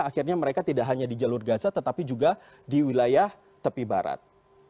akhirnya mereka tidak hanya di jalur gaza tetapi juga di wilayah tepi barat